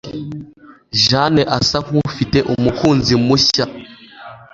Jane asa nkufite umukunzi mushya.